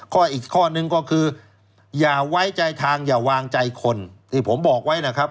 อีกข้อนึงก็คืออย่าไว้ใจทางอย่าวางใจคนที่ผมบอกไว้นะครับ